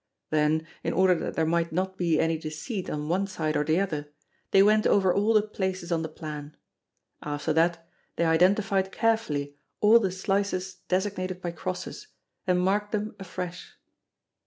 Then, in order that there might not be any deceit on one side or the other, they went over all the places on the plan. After that, they identified carefully all the slices designated by crosses, and marked them afresh.